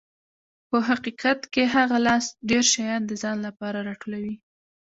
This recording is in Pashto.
په حقیقت کې هغه لاس ډېر شیان د ځان لپاره راټولوي.